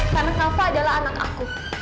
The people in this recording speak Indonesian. karena kava adalah anak aku